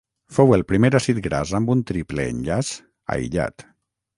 Fou el primer àcid gras amb un triple enllaç aïllat.